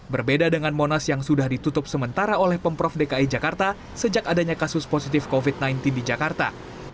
berbeda dengan monas yang sudah ditutup sementara oleh pemprov dki jakarta sejak adanya kasus positif covid sembilan belas di jakarta